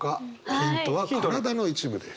ヒントは体の一部です。